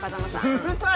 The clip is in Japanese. うるさいわ！